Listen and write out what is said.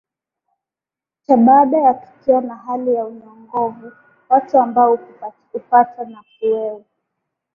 cha baada ya tukio na hali ya unyongovu Watu ambao hupatwa na kiwewe